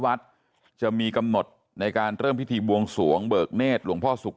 วัดจะมีกำหนดในการเริ่มพิธีบวงสวงเบิกเนธหลวงพ่อสุข